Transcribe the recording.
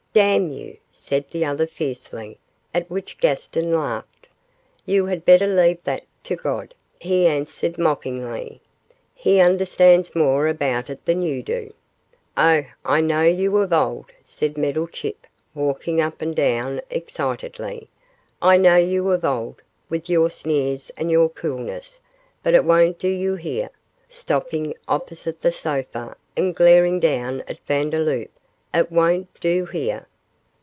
'Damn you!' said the other, fiercely, at which Gaston laughed. 'You had better leave that to God,' he answered, mockingly; 'he understands more about it than you do.' 'Oh, I know you of old,' said Meddlechip, walking up and down excitedly; 'I know you of old, with your sneers and your coolness, but it won't do here,' stopping opposite the sofa, and glaring down at Vandeloup; 'it won't do here!